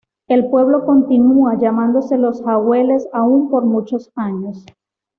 El pueblo continúa llamándose Los Jagüeles, aun por muchos años.